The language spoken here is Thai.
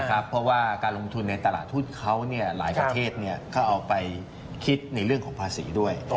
เพราะว่าการลงทุนในตลาดทุนเขาหลายประเทศเขาเอาไปคิดในเรื่องของภาษีด้วย